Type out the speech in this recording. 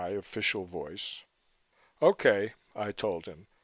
official voice. "Okay," I told him.